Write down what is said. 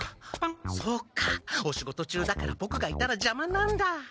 そうかお仕事中だからボクがいたらじゃまなんだ。